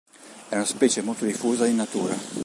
È una specie molto diffusa in natura.